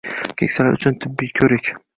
Keksalar uchun tibbiy ko‘rik